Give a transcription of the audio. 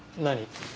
何？